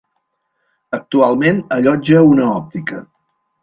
Actualment allotja una òptica.